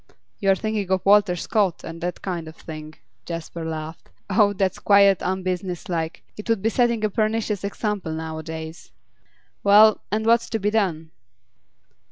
'You are thinking of Walter Scott, and that kind of thing' Jasper laughed. 'Oh, that's quite unbusinesslike; it would be setting a pernicious example nowadays. Well, and what's to be done?